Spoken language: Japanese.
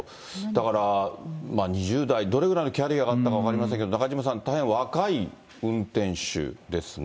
だから、２０代、どれぐらいのキャリアがあったか分かりませんが、中島さん、大変そうですね。